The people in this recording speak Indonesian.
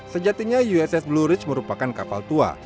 sejatinya uss blue rich merupakan kapal tua